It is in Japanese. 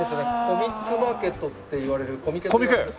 コミックマーケットっていわれるコミケといわれる。